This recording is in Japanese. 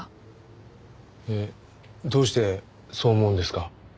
えっどうしてそう思うんですか？